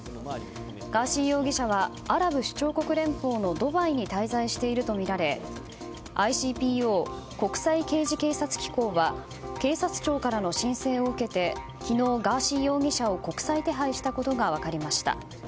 ガーシー容疑者はアラブ首長国連邦のドバイに滞在しているとみられＩＣＰＯ・国際刑事警察機構は警察庁からの申請を受けて昨日ガーシー容疑者を国際手配したことが分かりました。